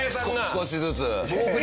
少しずつ。